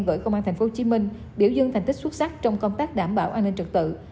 gửi công an tp hcm biểu dương thành tích xuất sắc trong công tác đảm bảo an ninh trật tự